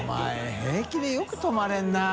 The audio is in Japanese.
平気でよく泊まれるなぁ。